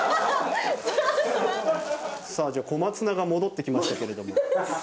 さあじゃあ小松菜が戻ってきましたけれども。